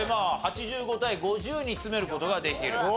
８５対５０に詰める事ができる。